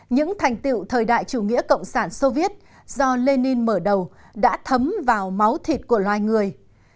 những thành tiệu thời đại chủ nghĩa cộng sản soviet do lenin mở đầu đã thấm vào máu thịt của loài người